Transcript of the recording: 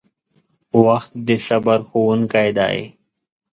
• وخت د صبر ښوونکی دی.